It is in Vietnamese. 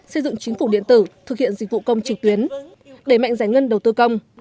xây dựng chính phủ điện tử thực hiện dịch vụ công trực tuyến đẩy mạnh giải ngân đầu tư công